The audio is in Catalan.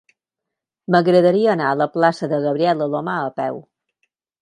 M'agradaria anar a la plaça de Gabriel Alomar a peu.